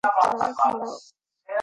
এবার শিপটা ঘোরান!